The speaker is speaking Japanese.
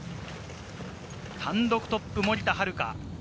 単独トップ、森田遥。